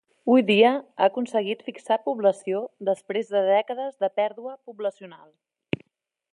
Hui dia ha aconseguit fixar població després de dècades de pèrdua poblacional.